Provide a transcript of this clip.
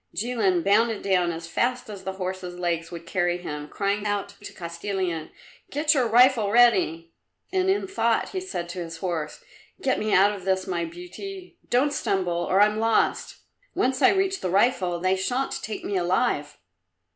Jilin bounded down as fast as the horse's legs would carry him, crying out to Kostilin, "Get your rifle ready!" And in thought he said to his horse, "Get me out of this, my beauty; don't stumble, or I'm lost. Once I reach the rifle, they shan't take me alive!"